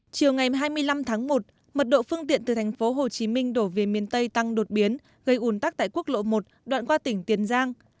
chiều ngày hai mươi năm tháng một mật độ phương tiện từ thành phố hồ chí minh đổ về miền tây tăng đột biến gây ủn tắc tại quốc lộ một đoạn qua tỉnh tiền giang